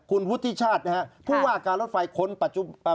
คุณพุทธิชาตินะครับพูดว่าการรถไฟคนปัจจุบัน